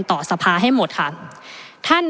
ประเทศอื่นซื้อในราคาประเทศอื่น